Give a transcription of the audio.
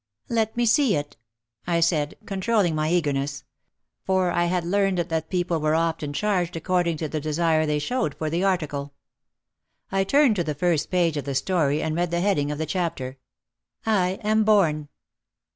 "Let me see it," I said, controlling my eagerness. For I had learned that people were often charged according igo OUT OF THE SHADOW to the desire they showed for the article. I turned to the first page of the story and read the heading of the chapter: "I am born."